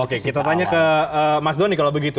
oke kita tanya ke mas doni kalau begitu